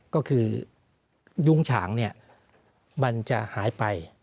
ก็คือยุงฉางมันจะหายไป